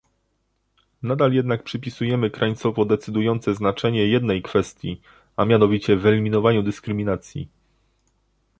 Nadal jednak przypisujemy krańcowo decydujące znaczenie jednej kwestii, a mianowicie wyeliminowaniu dyskryminacji